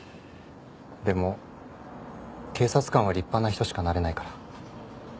でも警察官は立派な人しかなれないから。